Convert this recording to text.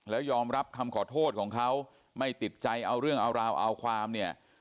แล้วยอมรับคำขอโทษของเขาไม่ติดใจเอาเรื่องเอาราวเอาความเนี่ย